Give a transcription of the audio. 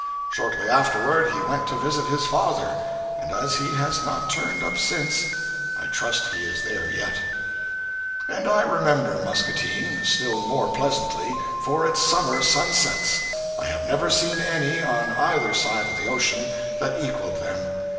Shortly afterward, he went to visit his father; and as he has not turned up since, I trust he is there yet. And I remember Muscatine still more pleasantly for its summer sunsets. I have never seen any, on either side of the ocean, that equaled them.